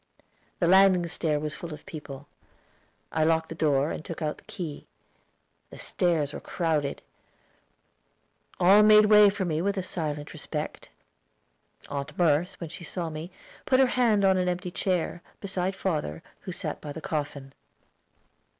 The landing stair was full of people. I locked the door, and took out the key; the stairs were crowded. All made way for me with a silent respect. Aunt Merce, when she saw me, put her hand on an empty chair, beside father, who sat by the coffin.